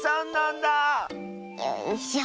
よいしょ。